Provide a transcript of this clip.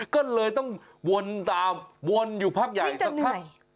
ก็เลยต้องวนตามวนอยู่พักใหญ่สักพักวิ่งจนไหน